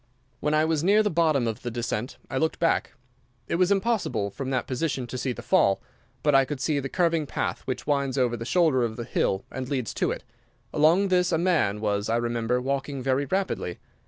When I was near the bottom of the descent I looked back. It was impossible, from that position, to see the fall, but I could see the curving path which winds over the shoulder of the hill and leads to it. Along this a man was, I remember, walking very rapidly.